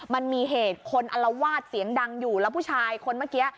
มันมีเหตุคนอลวาดเสียงดังอยู่แล้วผู้ชายคนเมื่อกี้